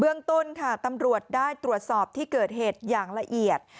เรื่องต้นค่ะตำรวจได้ตรวจสอบที่เกิดเหตุอย่างละเอียด